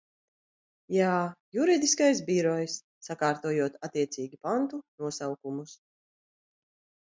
Jā, Juridiskais birojs, sakārtojot attiecīgi pantu nosaukumus.